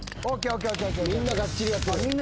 みんながっちりやってる。